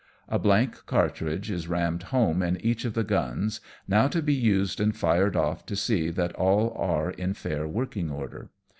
A blank cartridge is rammed home in each of the guns, now to be used and fired off to see that all are in fair working order.